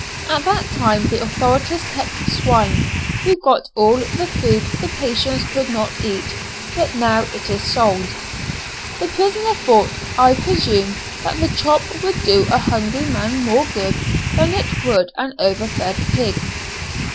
At that time the authorities kept swine, who got all the food the patients could not eat, but now it is sold. The prisoner thought, I presume, that the chop would do a hungry man more good than it would an over fed pig.